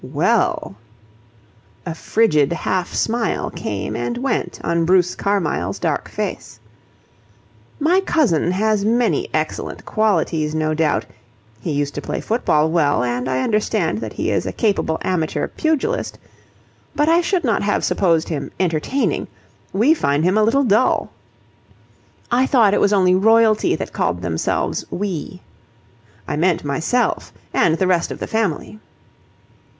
"Well..." A frigid half smile came and went on Bruce Carmyle's dark face. "My cousin has many excellent qualities, no doubt he used to play football well, and I understand that he is a capable amateur pugilist but I should not have supposed him entertaining. We find him a little dull." "I thought it was only royalty that called themselves 'we.'" "I meant myself and the rest of the family."